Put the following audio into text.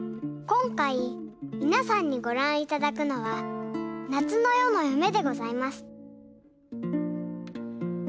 こんかいみなさんにごらんいただくのは「夏の夜の夢」でございます。